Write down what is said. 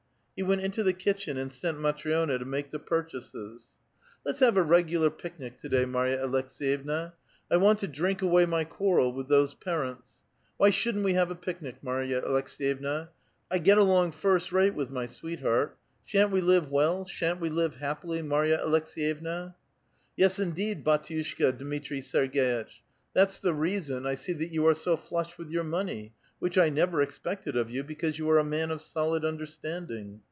He went into the kitchen and sent Matri6na to make the purchases. A VITAL QUESTION. 118 " Let's have a regular picnic to day, Marya Aleks^yevna. I want to drink away my quarrel with those parents. Why shouldn't we have a picnic, Marya Aleks^yevua? I get along first rate with my sweetheart. Shan't we live well, shan't we live happily, Marya Aleks^yevna? " ''Yes indeed, bdtiushka Dmiti'i Serg^itch. That's the reason [to to'] ; I see that you are so flush with 3'our money, which I never expected of you because you are a man of solid understanding.